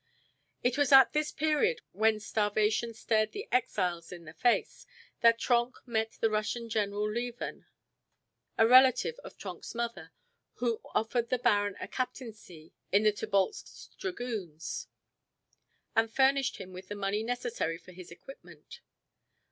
It was at this period, when starvation stared the exiles in the face, that Trenck met the Russian General Liewen, a relative of Trenck's mother, who offered the baron a captaincy in the Tobolsk Dragoons, and furnished him with the money necessary for his equipment.